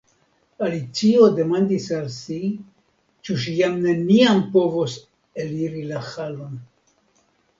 Alicio demandis al si, ĉu ŝi jam neniam povos eliri la halon.